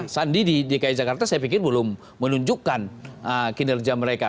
sandi di dki jakarta saya pikir belum menunjukkan kinerja mereka